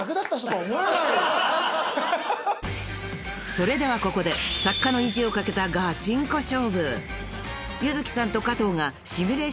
［それではここで作家の意地を懸けたガチンコ勝負］